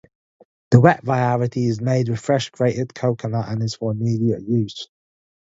The wet variety is made with fresh grated coconut and is for immediate use.